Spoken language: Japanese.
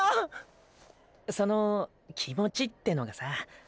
その気持ちってのがさ。